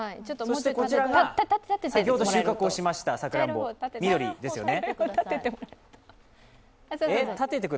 こちらが先ほどを収穫しましたさくらんぼ、緑ですよね。